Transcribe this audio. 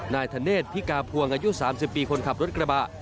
นายธเนธพิกาพวงอายุ๓๐ปีคนขับรถกระบะ